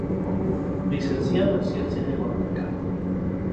Licenciado en Ciencias Económicas.